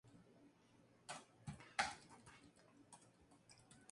Tenía talento para cantar desde su niñez.